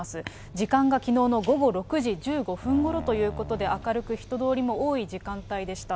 時間がきのうの午後６時１５分ごろということで、明るく、人通りも多い時間帯でした。